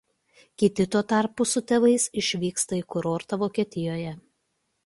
Kiti tuo tarpu su tėvais išvyksta į kurortą Vokietijoje.